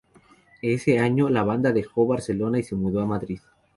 Ese año, la banda dejó Barcelona y se mudó a Madrid.